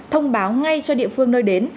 công báo ngay cho địa phương nơi đến